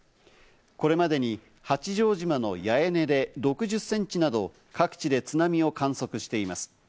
これまでに八丈島の八重根で６０センチなど、各地で津波を観測しています。